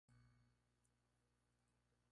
En su paso por el club, fue campeón de St.